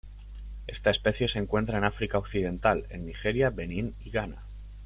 Esta especie se encuentra en África occidental en Nigeria, Benin y Ghana.